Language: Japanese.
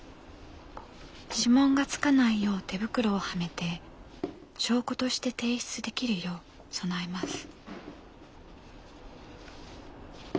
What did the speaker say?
指紋がつかないよう手袋をはめて証拠として提出できるよう備えます。